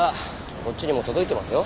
こっちにも届いてますよ。